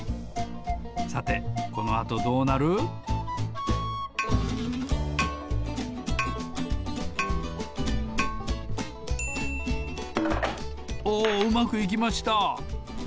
さておおうまくいきました！